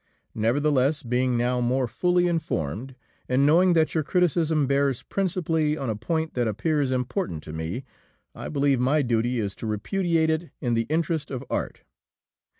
Nevertheless, being now more fully informed, and knowing that your criticism bears principally on a point that appears important to me, I believe my duty is to repudiate it in the interest of art.